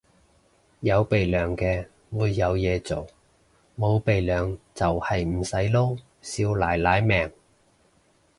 有鼻樑嘅會有嘢做，冇鼻樑就係唔使撈少奶奶命